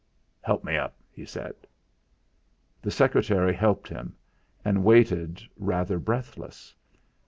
"Help me up," he said. The secretary helped him, and waited, rather breathless.